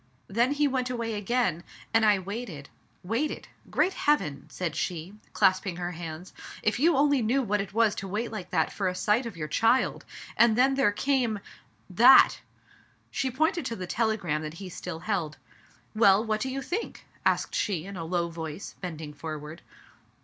Then he went away again, and I waited — waited. Great Heaven !" said she, clasping her hands, if you only knew what it was to wait like that for a sight of your child ! and then there came — that !" She pointed to the telegram that he still held. "Well, what do you think?" asked she in a low voice, bending for ward.